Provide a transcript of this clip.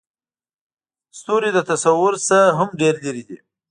ستوري د تصور نه هم ډېر لرې دي.